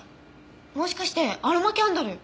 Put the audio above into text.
もしかしてアロマキャンドル？